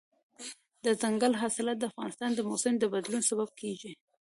دځنګل حاصلات د افغانستان د موسم د بدلون سبب کېږي.